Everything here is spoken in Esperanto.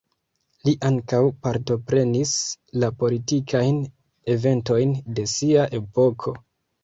Li ankaŭ partoprenis la politikajn eventojn de sia epoko.